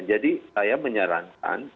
jadi saya menyarankan